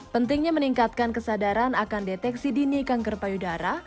pentingnya meningkatkan kesadaran akan deteksi dini kanker payudara